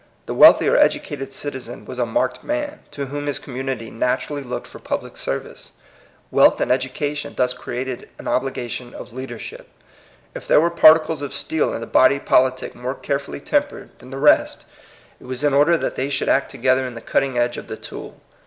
The wealthy or educated citizen was a marked man, to whom his community naturall}' looked for public service. Wealth and ed ucation thus created an obligation of leader If there were particles of steel in the politic more carefully tempered than PROBLEM OF THE PROSPEROUS. 113 the rest, it was in order that they should act together in the cutting edge of the tool.